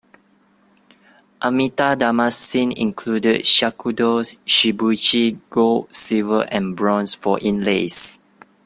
Amita damascene included shakudo, shibuichi, gold, silver, and bronze for inlays.